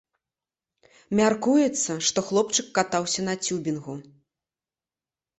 Мяркуецца, што хлопчык катаўся на цюбінгу.